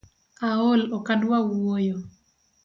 Aol ok adua wuoyo